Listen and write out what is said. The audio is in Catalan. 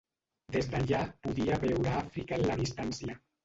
Des d'allà podia veure Àfrica en la distància.